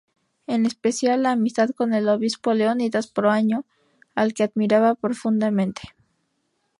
En especial la amistad con el obispo Leónidas Proaño al que admiraba profundamente.